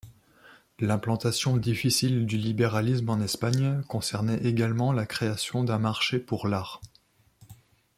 L'implantation difficile du libéralisme en Espagne concernait également la création d'un marché pour l'art.